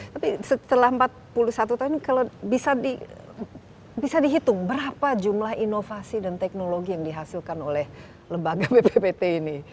tapi setelah empat puluh satu tahun kalau bisa dihitung berapa jumlah inovasi dan teknologi yang dihasilkan oleh lembaga bppt ini